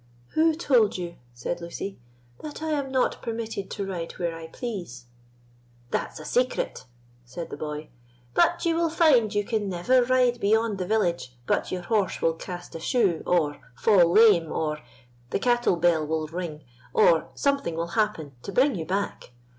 "Who told you," said Lucy, "that I am not permitted to ride where I please?" "That's a secret," said the boy; "but you will find you can never ride beyond the village but your horse will cast a shoe, or fall lame, or the cattle bell will ring, or something will happen to bring you back.